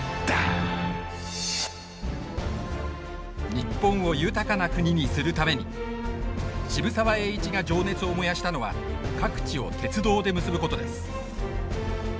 日本を豊かな国にするために渋沢栄一が情熱を燃やしたのは各地を鉄道で結ぶことです。